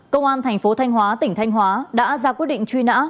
công an tp thanh hóa tỉnh thanh hóa đã ra quyết định truy nã